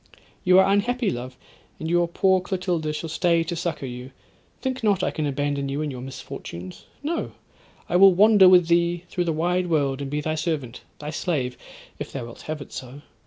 '—'You are unhappy, love, and your poor Clotilda shall stay to succour you. Think not I can abandon you in your misfortunes. No! I will wander with thee through the wide world, and be thy servant, thy slave, if thou wilt have it so.